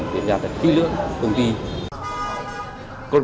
kiểm tra tất cả kỹ lưỡng của công ty